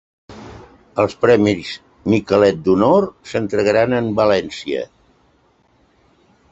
Els premis Miquelet d'Honor s'entregaran en València